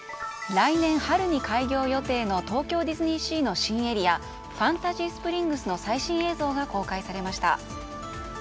来年春に開業予定の東京ディズニーシーの新エリアファンタジースプリングスの最新映像が公開されました。